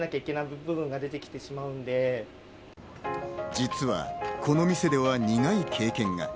実はこの店では苦い経験が。